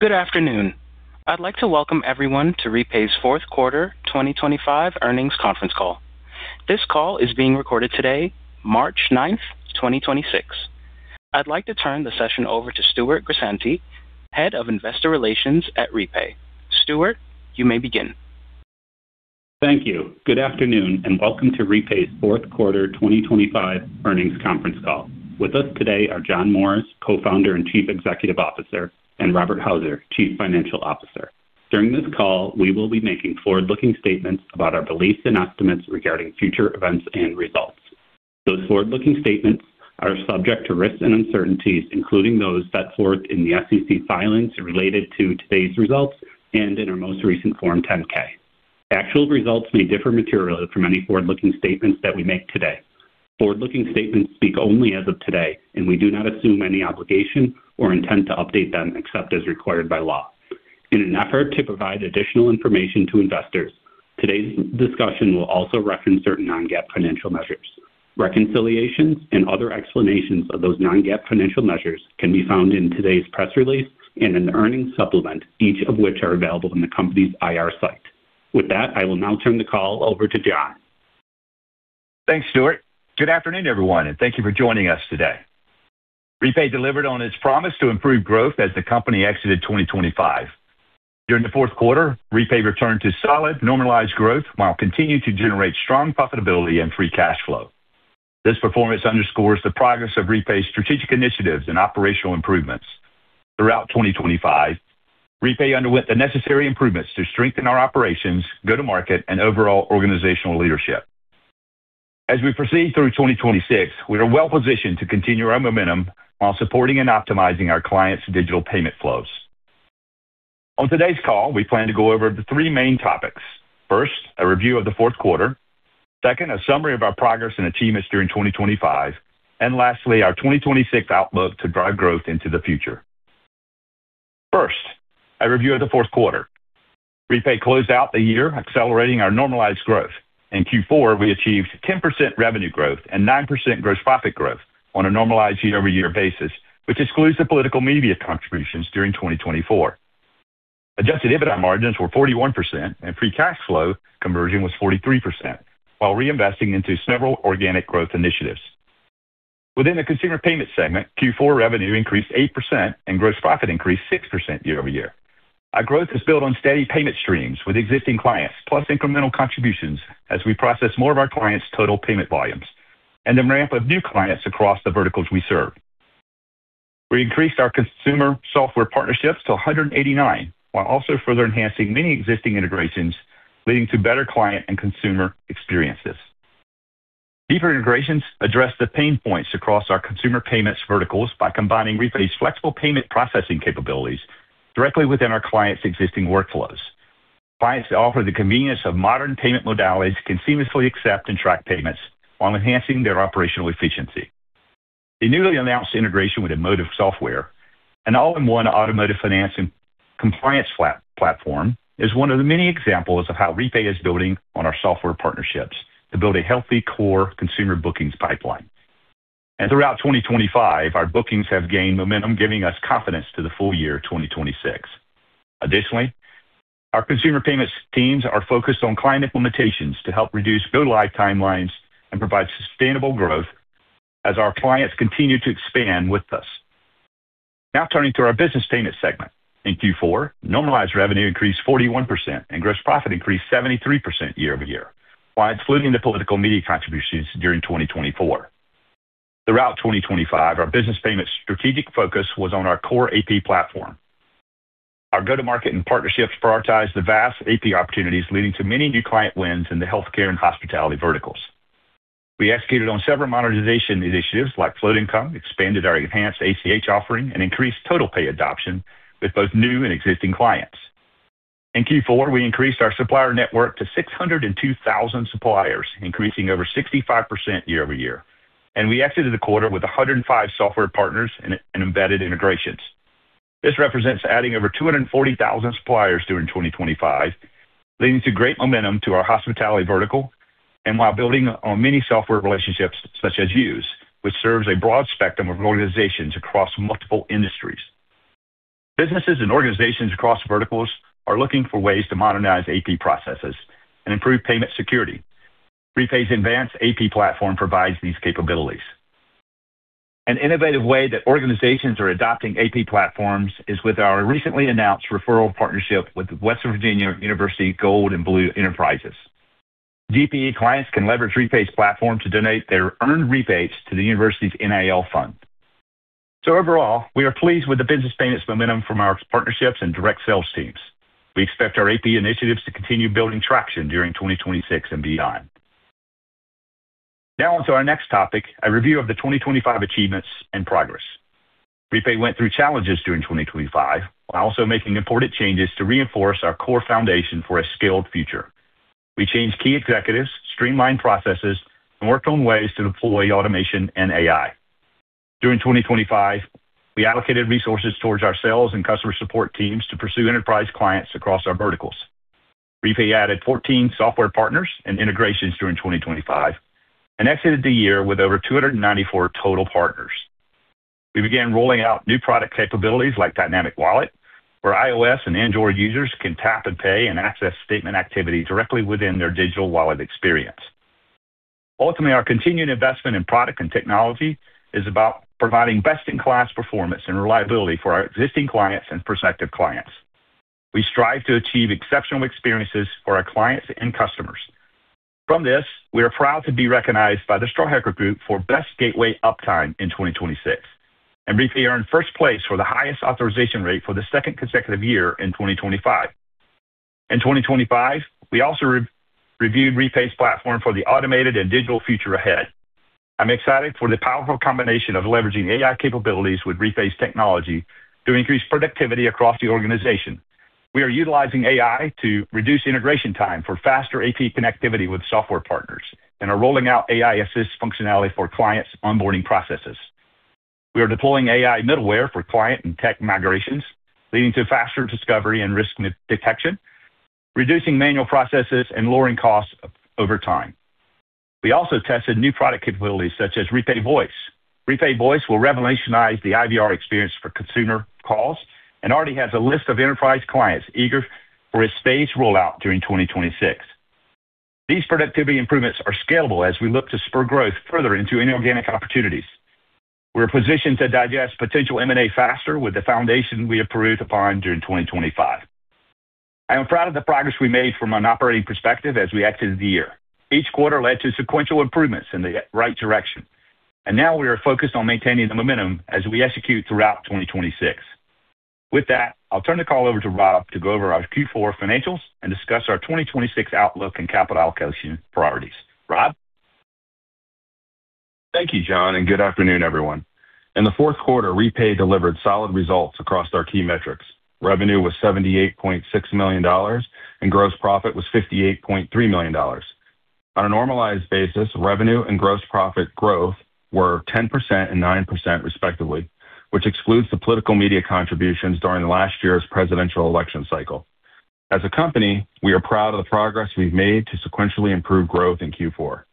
Good afternoon. I'd like to welcome everyone to REPAY's Q4 2025 earnings conference call. This call is being recorded today, March ninth, 2026. I'd like to turn the session over to Stuart Grisanti, Head of Investor Relations at REPAY. Stuart, you may begin. Thank you. Good afternoon, and welcome to REPAY's Q4 2025 earnings conference call. With us today are John Morris, Co-founder and Chief Executive Officer, and Rob Houser, Chief Financial Officer. During this call, we will be making forward-looking statements about our beliefs and estimates regarding future events and results. Those forward-looking statements are subject to risks and uncertainties, including those set forth in the SEC filings related to today's results and in our most recent Form 10-K. Actual results may differ materially from any forward-looking statements that we make today. Forward-looking statements speak only as of today, and we do not assume any obligation or intend to update them except as required by law. In an effort to provide additional information to investors, today's discussion will also reference certain non-GAAP financial measures. Reconciliations and other explanations of those non-GAAP financial measures can be found in today's press release and an earnings supplement, each of which are available on the company's IR site. With that, I will now turn the call over to John. Thanks, Stuart. Good afternoon, everyone, and thank you for joining us today. REPAY delivered on its promise to improve growth as the company exited 2025. During the Q4, REPAY returned to solid normalized growth while continuing to generate strong profitability and free cash flow. This performance underscores the progress of REPAY's strategic initiatives and operational improvements. Throughout 2025, REPAY underwent the necessary improvements to strengthen our operations, go-to-market, and overall organizational leadership. As we proceed through 2026, we are well-positioned to continue our momentum while supporting and optimizing our clients' digital payment flows. On today's call, we plan to go over the 3 main topics. First, a review of the Q4. Second, a summary of our progress and achievements during 2025. Lastly, our 2026 outlook to drive growth into the future. First, a review of the Q4. Repay closed out the year accelerating our normalized growth. In Q4, we achieved 10% revenue growth and 9% gross profit growth on a normalized year-over-year basis, which excludes the political media contributions during 2024. Adjusted EBITDA margins were 41% and free cash flow conversion was 43%, while reinvesting into several organic growth initiatives. Within the consumer payment segment, Q4 revenue increased 8% and gross profit increased 6% year-over-year. Our growth is built on steady payment streams with existing clients, plus incremental contributions as we process more of our clients' total payment volumes and the ramp of new clients across the verticals we serve. We increased our consumer software partnerships to 189, while also further enhancing many existing integrations, leading to better client and consumer experiences. Deeper integrations address the pain points across our consumer payments verticals by combining REPAY's flexible payment processing capabilities directly within our clients' existing workflows. Clients offer the convenience of modern payment modalities to seamlessly accept and track payments while enhancing their operational efficiency. The newly announced integration with Emotive Software, an all-in-one automotive finance and compliance platform, is one of the many examples of how REPAY is building on our software partnerships to build a healthy core consumer bookings pipeline. Throughout 2025, our bookings have gained momentum, giving us confidence to the full year 2026. Additionally, our consumer payments teams are focused on client implementations to help reduce go-live timelines and provide sustainable growth as our clients continue to expand with us. Now turning to our business payments segment. In Q4, normalized revenue increased 41% and gross profit increased 73% year-over-year, while excluding the political media contributions during 2024. Throughout 2025, our business payments strategic focus was on our core AP platform. Our go-to-market and partnerships prioritized the vast AP opportunities, leading to many new client wins in the healthcare and hospitality verticals. We escalated on several monetization initiatives like float income, expanded our enhanced ACH offering, and increased TotalPay adoption with both new and existing clients. In Q4, we increased our supplier network to 602,000 suppliers, increasing over 65% year-over-year. We exited the quarter with 105 software partners and embedded integrations. This represents adding over 240,000 suppliers during 2025, leading to great momentum to our hospitality vertical and while building on many software relationships such as Yooz, which serves a broad spectrum of organizations across multiple industries. Businesses and organizations across verticals are looking for ways to modernize AP processes and improve payment security. REPAY's advanced AP platform provides these capabilities. An innovative way that organizations are adopting AP platforms is with our recently announced referral partnership with West Virginia University Gold & Blue Enterprises. GBE clients can leverage REPAY's platform to donate their earned rebates to the university's NIL fund. Overall, we are pleased with the business payments momentum from our partnerships and direct sales teams. We expect our AP initiatives to continue building traction during 2026 and beyond. Now on to our next topic, a review of the 2025 achievements and progress. Repay went through challenges during 2025 while also making important changes to reinforce our core foundation for a scaled future. We changed key executives, streamlined processes, and worked on ways to deploy automation and AI. During 2025, we allocated resources towards our sales and customer support teams to pursue enterprise clients across our verticals. Repay added 14 software partners and integrations during 2025 and exited the year with over 294 total partners. We began rolling out new product capabilities like Dynamic Wallet, where iOS and Android users can tap and pay and access statement activity directly within their digital wallet experience. Our continued investment in product and technology is about providing best-in-class performance and reliability for our existing clients and prospective clients. We strive to achieve exceptional experiences for our clients and customers. From this, we are proud to be recognized by The Strawhecker Group for Best Gateway Uptime in 2026. REPAY earned first place for the highest authorization rate for the second consecutive year in 2025. In 2025, we also re-reviewed REPAY's platform for the automated and digital future ahead. I'm excited for the powerful combination of leveraging AI capabilities with REPAY's technology to increase productivity across the organization. We are utilizing AI to reduce integration time for faster AP connectivity with software partners and are rolling out AI assist functionality for clients' onboarding processes. We are deploying AI middleware for client and tech migrations, leading to faster discovery and risk de-detection, reducing manual processes, and lowering costs over time. We also tested new product capabilities such as REPAY Voice. REPAY Voice will revolutionize the IVR experience for consumer calls and already has a list of enterprise clients eager for its phased rollout during 2026. These productivity improvements are scalable as we look to spur growth further into inorganic opportunities. We're positioned to digest potential M&A faster with the foundation we improved upon during 2025. I am proud of the progress we made from an operating perspective as we exited the year. Each quarter led to sequential improvements in the right direction, now we are focused on maintaining the momentum as we execute throughout 2026. With that, I'll turn the call over to Rob to go over our Q4 financials and discuss our 2026 outlook and capital allocation priorities. Rob. Thank you, John. Good afternoon, everyone. In the Q4, Repay delivered solid results across our key metrics. Revenue was $78.6 million, and gross profit was $58.3 million. On a normalized basis, revenue and gross profit growth were 10% and 9% respectively, which excludes the political media contributions during last year's presidential election cycle. As a company, we are proud of the progress we've made to sequentially improve growth in Q4.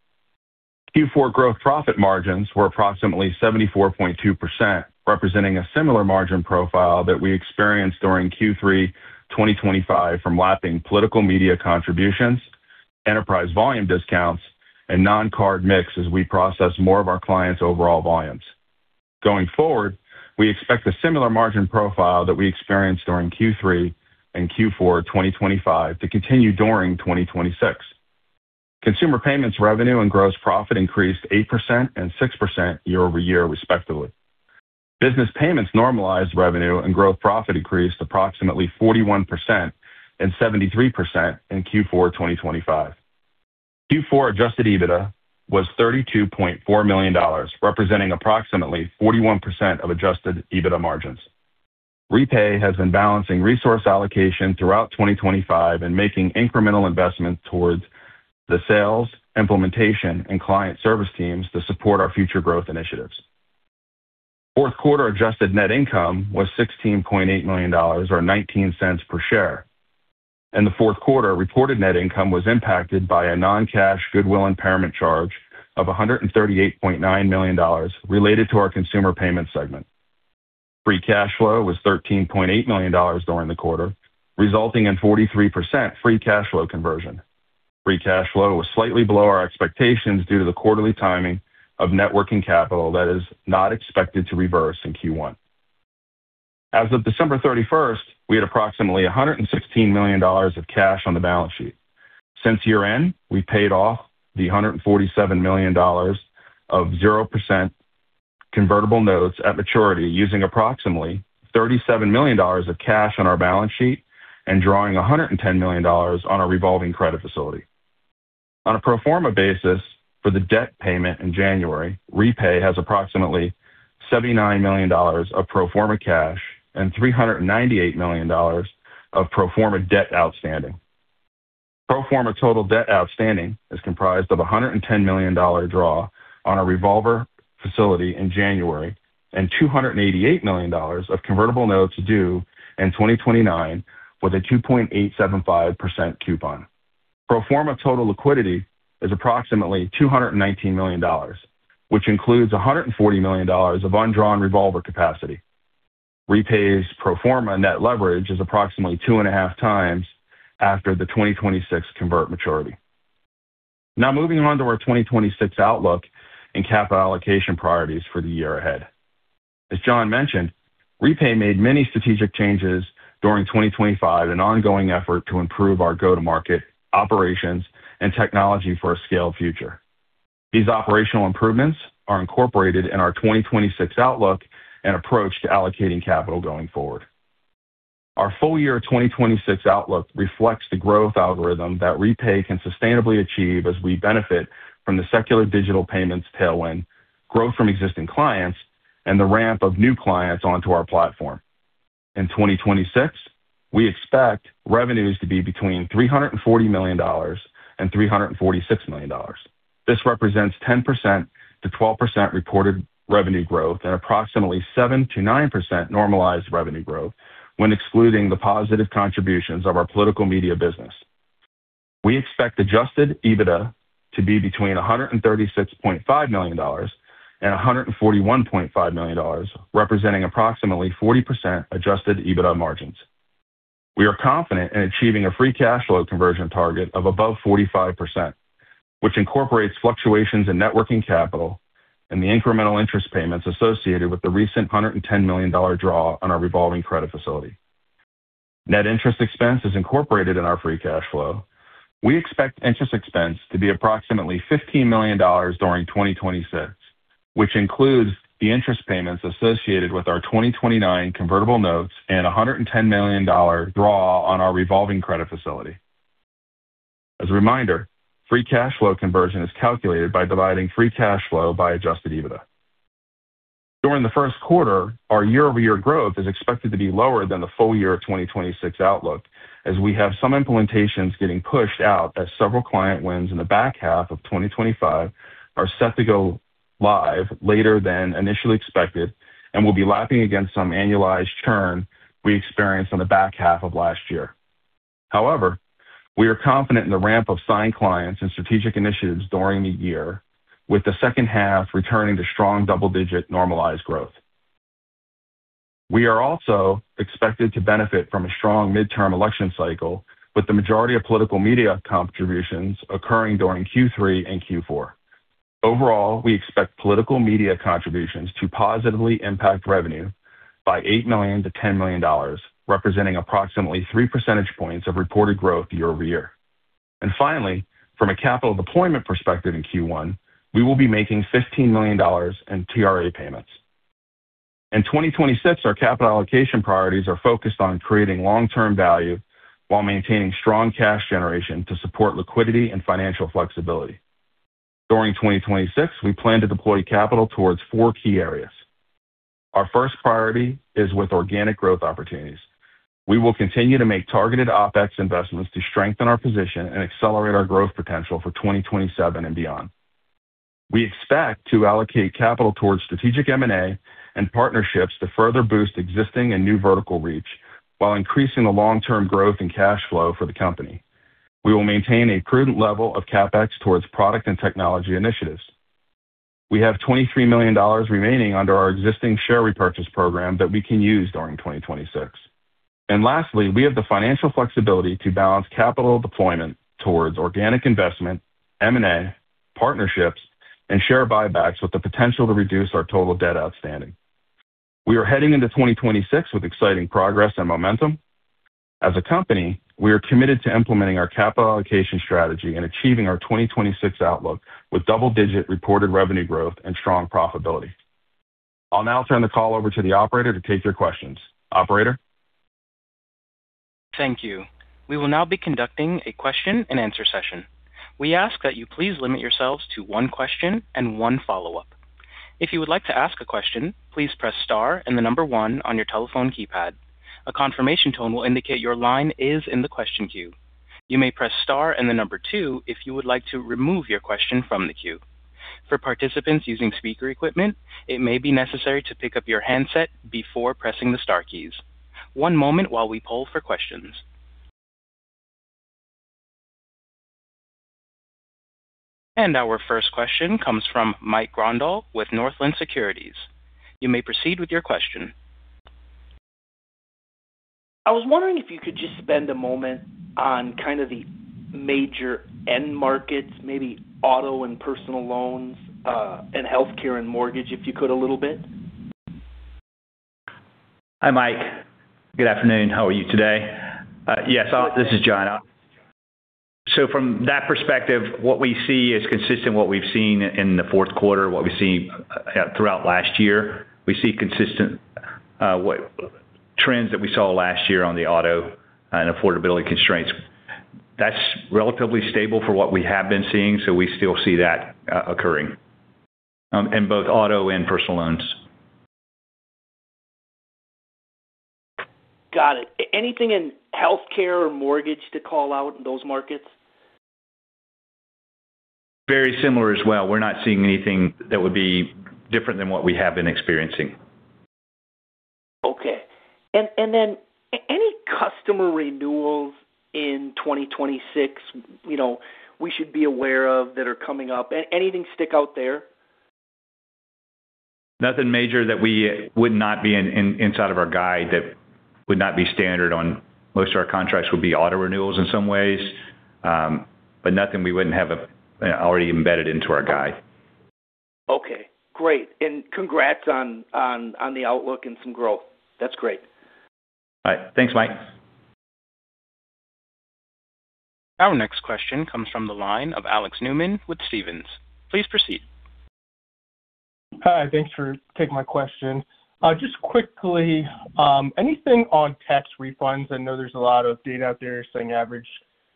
Q4 gross profit margins were approximately 74.2%, representing a similar margin profile that we experienced during Q3 2025 from lapping political media contributions, enterprise volume discounts, and non-card mix as we process more of our clients' overall volumes. Going forward, we expect a similar margin profile that we experienced during Q3 and Q4 2025 to continue during 2026. Consumer payments revenue and gross profit increased 8% and 6% year-over-year, respectively. Business payments normalized revenue and gross profit increased approximately 41% and 73% in Q4 2025. Q4 Adjusted EBITDA was $32.4 million, representing approximately 41% of Adjusted EBITDA margins. REPAY has been balancing resource allocation throughout 2025 and making incremental investments towards the sales, implementation, and client service teams to support our future growth initiatives. Q4 adjusted net income was $16.8 million or $0.19 per share. In the Q4, reported net income was impacted by a non-cash goodwill impairment charge of $138.9 million related to our consumer payments segment. Free cash flow was $13.8 million during the quarter, resulting in 43% free cash flow conversion. Free cash flow was slightly below our expectations due to the quarterly timing of net working capital that is not expected to reverse in Q1. As of December 31st, we had approximately $116 million of cash on the balance sheet. Since year-end, we paid off the $147 million of 0% convertible notes at maturity, using approximately $37 million of cash on our balance sheet and drawing $110 million on our revolving credit facility. On a pro forma basis for the debt payment in January, Repay has approximately $79 million of pro forma cash and $398 million of pro forma debt outstanding. Pro forma total debt outstanding is comprised of a $110 million draw on our revolver facility in January and $288 million of convertible notes due in 2029 with a 2.875% coupon. Pro forma total liquidity is approximately $219 million, which includes $140 million of undrawn revolver capacity. REPAY's pro forma net leverage is approximately two and a half times after the 2026 convert maturity. Moving on to our 2026 outlook and capital allocation priorities for the year ahead. As John mentioned, REPAY made many strategic changes during 2025, an ongoing effort to improve our go-to-market operations and technology for a scaled future. These operational improvements are incorporated in our 2026 outlook and approach to allocating capital going forward. Our full year 2026 outlook reflects the growth algorithm that REPAY can sustainably achieve as we benefit from the secular digital payments tailwind, growth from existing clients, and the ramp of new clients onto our platform. In 2026, we expect revenues to be between $340 million and $346 million. This represents 10%-12% reported revenue growth and approximately 7%-9% normalized revenue growth when excluding the positive contributions of our political media business. We expect Adjusted EBITDA to be between $136.5 million and $141.5 million, representing approximately 40% Adjusted EBITDA margins. We are confident in achieving a free cash flow conversion target of above 45%, which incorporates fluctuations in networking capital and the incremental interest payments associated with the recent $110 million draw on our revolving credit facility. Net interest expense is incorporated in our free cash flow. We expect interest expense to be approximately $15 million during 2026, which includes the interest payments associated with our 2029 convertible notes and a $110 million draw on our revolving credit facility. As a reminder, free cash flow conversion is calculated by dividing free cash flow by Adjusted EBITDA. During the Q1, our year-over-year growth is expected to be lower than the full year of 2026 outlook, as we have some implementations getting pushed out as several client wins in the back half of 2025 are set to go live later than initially expected and will be lapping against some annualized churn we experienced on the back half of last year. We are confident in the ramp of signed clients and strategic initiatives during the year, with the second half returning to strong double-digit normalized growth. We are also expected to benefit from a strong midterm election cycle, with the majority of political media contributions occurring during Q3 and Q4. We expect political media contributions to positively impact revenue by $8 million-$10 million, representing approximately 3 percentage points of reported growth year-over-year. Finally, from a capital deployment perspective in Q1, we will be making $15 million in TRA payments. In 2026, our capital allocation priorities are focused on creating long-term value while maintaining strong cash generation to support liquidity and financial flexibility. During 2026, we plan to deploy capital towards 4 key areas. Our first priority is with organic growth opportunities. We will continue to make targeted OpEx investments to strengthen our position and accelerate our growth potential for 2027 and beyond. We expect to allocate capital towards strategic M&A and partnerships to further boost existing and new vertical reach while increasing the long-term growth and cash flow for the company. We will maintain a prudent level of CapEx towards product and technology initiatives. We have $23 million remaining under our existing share repurchase program that we can use during 2026. Lastly, we have the financial flexibility to balance capital deployment towards organic investment, M&A, partnerships, and share buybacks with the potential to reduce our total debt outstanding. We are heading into 2026 with exciting progress and momentum. As a company, we are committed to implementing our capital allocation strategy and achieving our 2026 outlook with double-digit reported revenue growth and strong profitability. I'll now turn the call over to the operator to take your questions. Operator. Thank you. We will now be conducting a question-and-answer session. We ask that you please limit yourselves to 1 question and 1 follow-up. If you would like to ask a question, please press star and the number 1 on your telephone keypad. A confirmation tone will indicate your line is in the question queue. You may press star and the number 2 if you would like to remove your question from the queue. For participants using speaker equipment, it may be necessary to pick up your handset before pressing the star keys. 1 moment while we poll for questions. Our 1st question comes from Mike Grondahl with Northland Securities. You may proceed with your question. I was wondering if you could just spend a moment on kind of the major end markets, maybe auto and personal loans, and healthcare and mortgage, if you could, a little bit. Hi, Mike. Good afternoon. How are you today? Yes, this is John. From that perspective, what we see is consistent what we've seen in the Q4, what we see throughout last year. We see consistent trends that we saw last year on the auto and affordability constraints. That's relatively stable for what we have been seeing, so we still see that occurring in both auto and personal loans. Got it. Anything in healthcare or mortgage to call out in those markets? Very similar as well. We're not seeing anything that would be different than what we have been experiencing. Okay. Then any customer renewals in 2026, we should be aware of that are coming up? Anything stick out there? Nothing major that we would not be in, inside of our guide that would not be standard on most of our contracts would be auto renewals in some ways, but nothing we wouldn't have already embedded into our guide. Okay, great. congrats on the outlook and some growth. That's great. All right. Thanks, Mike. Our next question comes from the line of Alex Newman with Stephens. Please proceed. Hi. Thanks for taking my question. Just quickly, anything on tax refunds? I know there's a lot of data out there saying average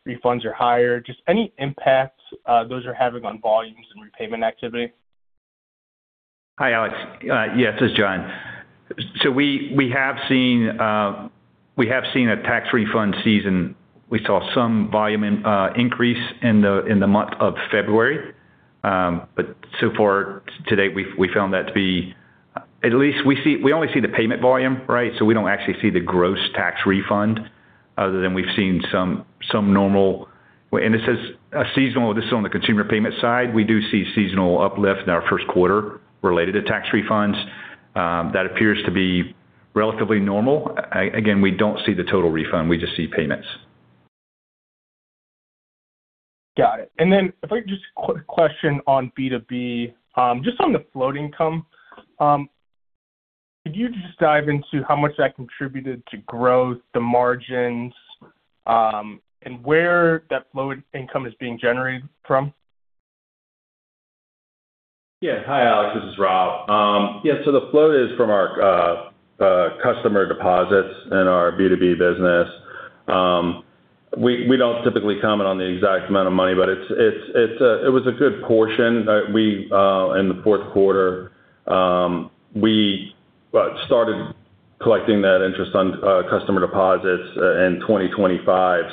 refunds are higher. Just any impacts, those are having on volumes and repayment activity? Hi, Alex. Yes, this is John. We have seen a tax refund season. We saw some volume in increase in the, in the month of February. So far to date, we've found that to be at least we only see the payment volume, right? We don't actually see the gross tax refund other than we've seen some normal... This is a seasonal. This is on the consumer payment side. We do see seasonal uplift in our Q1 related to tax refunds, that appears to be relatively normal. Again, we don't see the total refund. We just see payments. Got it. If I could just quick question on B2B, just on the float income. Could you just dive into how much that contributed to growth, the margins, and where that float income is being generated from? Yeah. Hi, Alex, this is Rob. Yeah, so the float is from our customer deposits in our B2B business. We don't typically comment on the exact amount of money, but it was a good portion. We in the Q4, we started collecting that interest on customer deposits in 2025.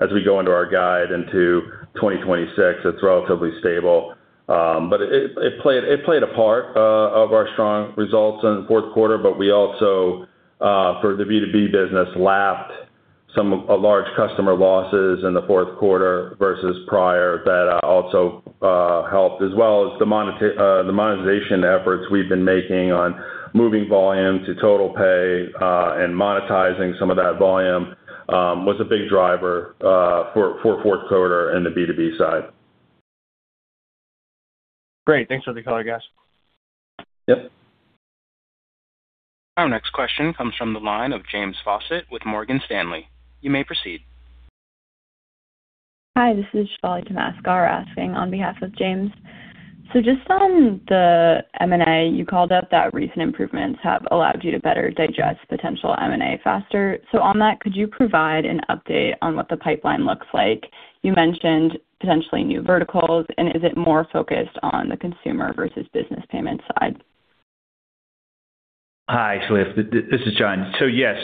As we go into our guide into 2026, it's relatively stable. It played a part of our strong results in the Q4, but we also for the B2B business, lapped some of a large customer losses in the Q4 versus prior. That also helped, as well as the monetization efforts we've been making on moving volume to TotalPay, and monetizing some of that volume, was a big driver for Q4 in the B2B side. Great. Thanks for the color, guys. Yep. Our next question comes from the line of James Faucette with Morgan Stanley. You may proceed. Hi, this is asking on behalf of James. Just on the M&A, you called out that recent improvements have allowed you to better digest potential M&A faster. On that, could you provide an update on what the pipeline looks like? You mentioned potentially new verticals, and is it more focused on the consumer versus business payment side? Hi, Shivani. This is John. Yes,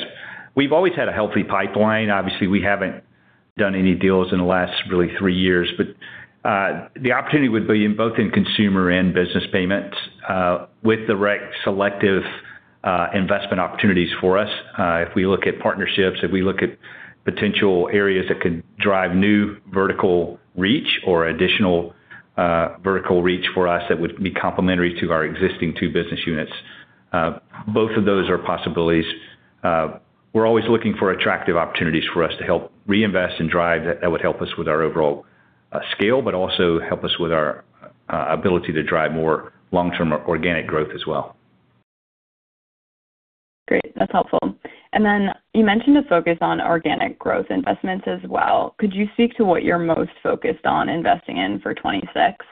we've always had a healthy pipeline. Obviously, we haven't done any deals in the last really three years. The opportunity would be in both in consumer and business payments with the right selective investment opportunities for us. If we look at partnerships, if we look at potential areas that could drive new vertical reach or additional vertical reach for us that would be complementary to our existing two business units, both of those are possibilities. We're always looking for attractive opportunities for us to help reinvest and drive that would help us with our overall scale, but also help us with our ability to drive more long-term organic growth as well. Great. That's helpful. Then you mentioned a focus on organic growth investments as well. Could you speak to what you're most focused on investing in for 2026?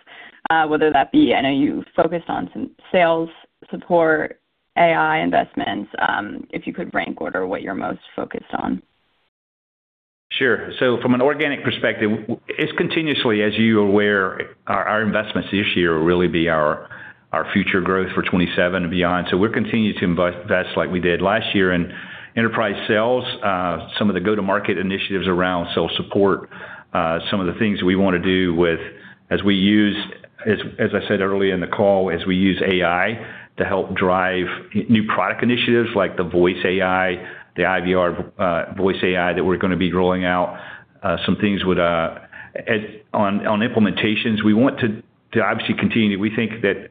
Whether that be, I know you focused on some sales support, AI investments, if you could rank order what you're most focused on. Sure. From an organic perspective, it's continuously, as you are aware, our investments this year will really be our future growth for 2027 and beyond. We're continuing to invest like we did last year in enterprise sales. Some of the go-to-market initiatives around sales support. Some of the things we wanna do with as I said earlier in the call, as we use AI to help drive new product initiatives like the voice AI, the IVR, voice AI that we're gonna be rolling out. Some things with on implementations, we want to obviously continue. We think that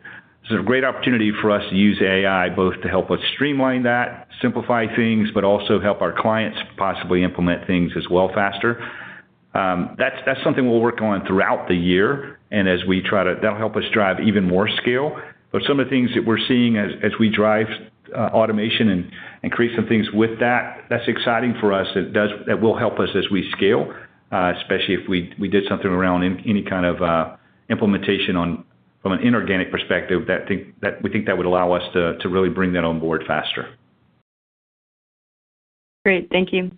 there's a great opportunity for us to use AI both to help us streamline that, simplify things, but also help our clients possibly implement things as well faster. That's something we'll work on throughout the year and as we try to. That'll help us drive even more scale. Some of the things that we're seeing as we drive automation and increase some things with that's exciting for us. That will help us as we scale, especially if we did something around any kind of implementation on from an inorganic perspective that we think that would allow us to really bring that on board faster. Great. Thank you.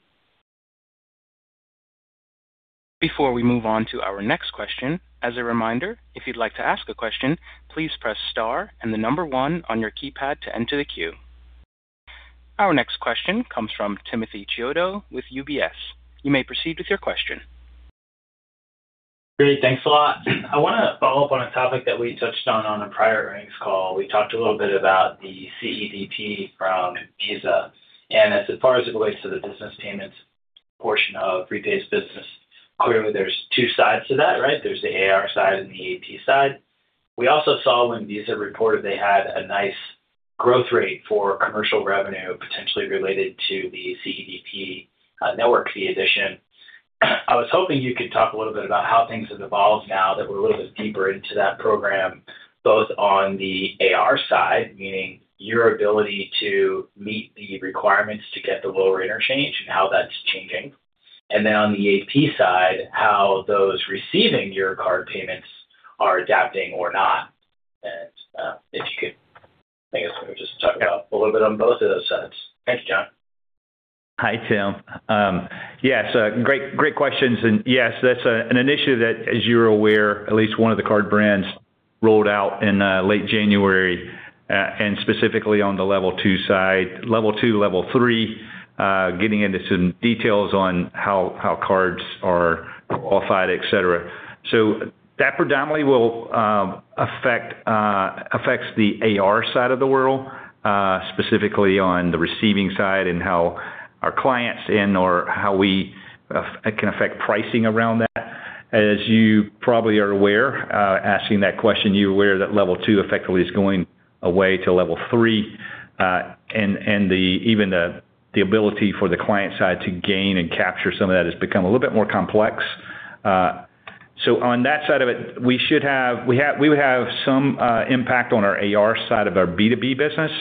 Before we move on to our next question, as a reminder, if you'd like to ask a question, please press star and 1 on your keypad to enter the queue. Our next question comes from Timothy Chiodo with UBS. You may proceed with your question. Great. Thanks a lot. I wanna follow up on a topic that we touched on a prior earnings call. We talked a little bit about the CEDP from Visa. As far as it relates to the business payments portion of REPAY's business, clearly there's two sides to that, right? There's the AR side and the AP side. We also saw when Visa reported they had a nice growth rate for commercial revenue potentially related to the CEDPnetwork fee addition. I was hoping you could talk a little bit about how things have evolved now that we're a little bit deeper into that program, both on the AR side, meaning your ability to meet the requirements to get the lower interchange and how that's changing. On the AP side, how those receiving your card payments are adapting or not? If you could, I guess, just talk a little bit on both of those sides. Thanks, John. Hi, Tim. Yes, great questions. Yes, that's an initiative that, as you're aware, at least one of the card brands rolled out in late January, and specifically on the Level 2 side. Level 2, Level 3, getting into some details on how cards are qualified, et cetera. That predominantly will affect the AR side of the world, specifically on the receiving side and how our clients and/or how we can affect pricing around that. As you probably are aware, asking that question, you're aware that Level 2 effectively is going away to Level 3, and the even the ability for the client side to gain and capture some of that has become a little bit more complex. On that side of it, we should have... We would have some impact on our AR side of our B2B business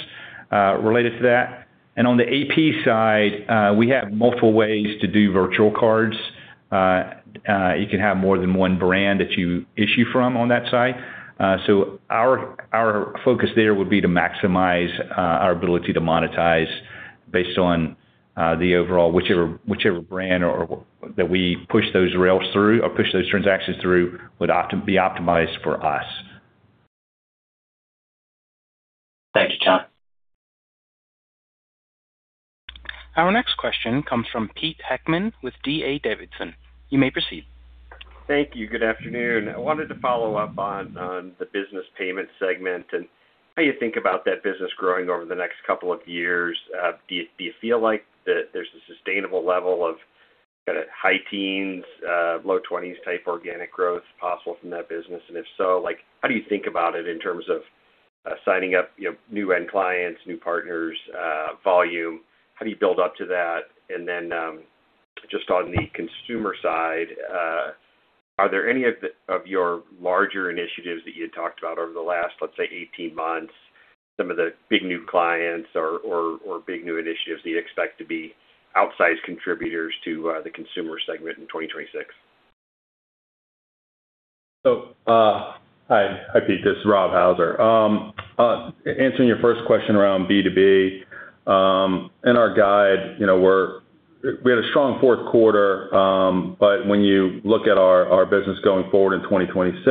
related to that. On the AP side, we have multiple ways to do virtual cards. You can have more than one brand that you issue from on that side. Our focus there would be to maximize our ability to monetize based on the overall whichever brand or that we push those rails through or push those transactions through would be optimized for us. Thank you, John. Our next question comes from Peter Heckmann with D.A. Davidson. You may proceed. Thank you. Good afternoon. I wanted to follow up on the business payment segment and how you think about that business growing over the next couple of years. Do you feel like that there's a sustainable level of kind of high teens, low 20s type organic growth possible from that business? If so, like, how do you think about it in terms of signing up, new end clients, new partners, volume? How do you build up to that? Just on the consumer side, are there any of your larger initiatives that you had talked about over the last, let's say, 18 months, some of the big new clients or big new initiatives that you expect to be outsized contributors to the consumer segment in 2026? Hi. Hi, Pete. This is Rob Houser. Answering your first question around B2B, we had a strong Q4, but when you look at our business going forward in 2026,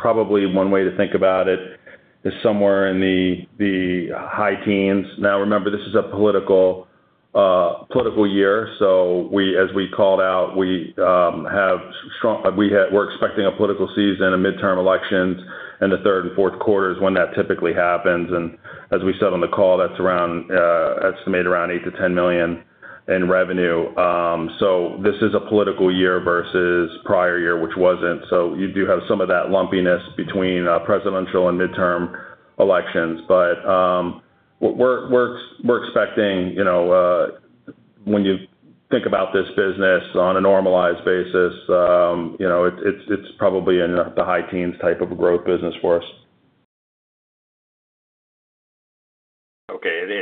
probably one way to think about it is somewhere in the high teens. Remember, this is a political year, as we called out, we're expecting a political season and midterm elections in the third and Q4 when that typically happens. As we said on the call, that's estimated around $8 million-$10 million in revenue. This is a political year versus prior year, which wasn't. You do have some of that lumpiness between presidential and midterm elections. We're expecting, when you think about this business on a normalized basis, it's probably in the high teens type of a growth business for us.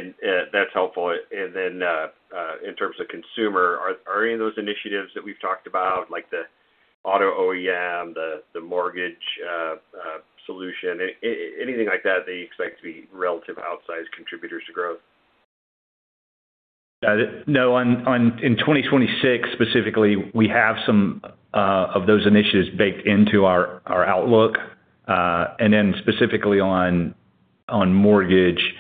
Okay. That's helpful. In terms of consumer, are any of those initiatives that we've talked about, like the auto OEM, the mortgage solution, anything like that you expect to be relative outsized contributors to growth? No. On 2026 specifically, we have some of those initiatives baked into our outlook. Specifically on mortgage,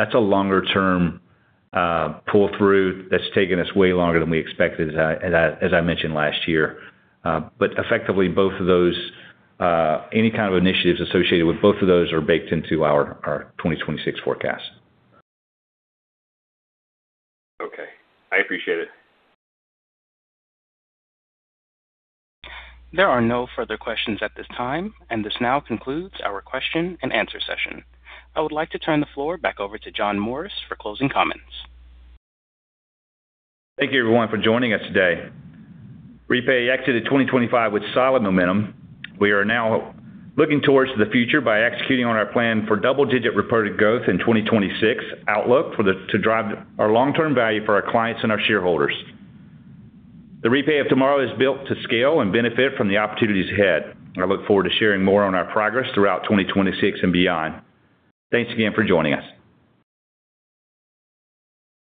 that's a longer term pull through that's taken us way longer than we expected, as I mentioned last year. Effectively, both of those, any kind of initiatives associated with both of those are baked into our 2026 forecast. Okay, I appreciate it. There are no further questions at this time, and this now concludes our question-and-answer session. I would like to turn the floor back over to John Morris for closing comments. Thank you everyone for joining us today. REPAY exited 2025 with solid momentum. We are now looking towards the future by executing on our plan for double-digit reported growth in 2026 to drive our long-term value for our clients and our shareholders. The REPAY of tomorrow is built to scale and benefit from the opportunities ahead. I look forward to sharing more on our progress throughout 2026 and beyond. Thanks again for joining us.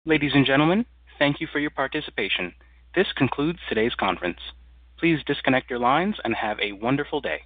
Ladies and gentlemen, thank you for your participation. This concludes today's conference. Please disconnect your lines and have a wonderful day.